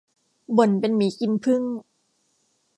บ่นเป็นหมีกินผึ้ง